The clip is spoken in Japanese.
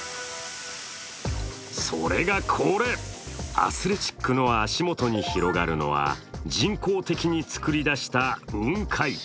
それがこれ、アスレチックの足元に広がるのは人工的に作り出した雲海。